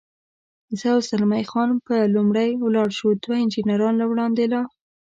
زه او زلمی خان به لومړی ولاړ شو، دوه انجنیران له وړاندې لا.